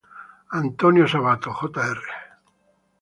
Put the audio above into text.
Antonio Sabato, Jr.